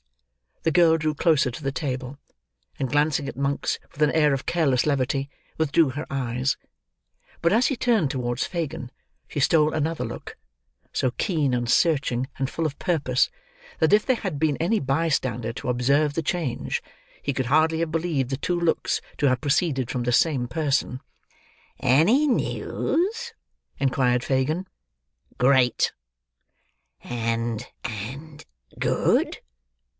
The girl drew closer to the table, and glancing at Monks with an air of careless levity, withdrew her eyes; but as he turned towards Fagin, she stole another look; so keen and searching, and full of purpose, that if there had been any bystander to observe the change, he could hardly have believed the two looks to have proceeded from the same person. "Any news?" inquired Fagin. "Great." "And—and—good?"